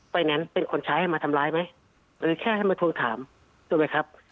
แนนซ์เป็นคนใช้ให้มาทำร้ายไหมหรือแค่ให้มาทวงถามถูกไหมครับ